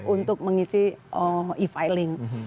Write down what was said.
untuk mengisi e filing